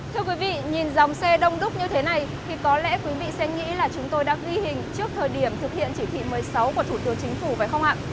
thưa quý vị nhìn dòng xe đông đúc như thế này thì có lẽ quý vị sẽ nghĩ là chúng tôi đã ghi hình trước thời điểm thực hiện chỉ thị một mươi sáu của thủ tướng chính phủ phải không ạ